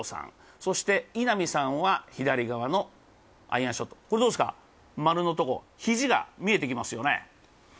そして稲見さんは左側のアイアンショット、これどうですか、丸のところ、肘が見えてきますよね